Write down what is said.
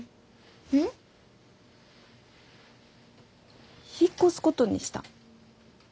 うん？引っ越すことにした。